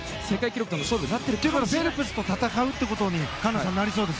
フェルプスと戦うということになりそうです。